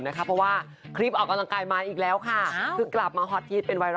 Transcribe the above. มันใช้เพลงเยอะกัน